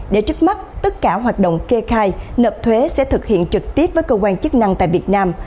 để trước mắt tất cả hoạt động kê khai nộp thuế sẽ thực hiện trực tiếp với cơ quan chức năng tại việt nam